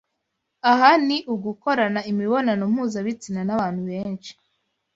aha ni ugukorana imibonano mpuzabitsina n’abantu benshi